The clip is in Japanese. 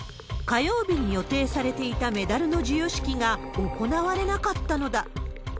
火曜日に予定されていたメダルの授与式が行われなかったのだ。